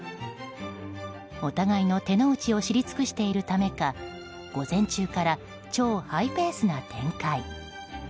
お互いの手の内を知り尽くしているためか午前中から超ハイペースな展開。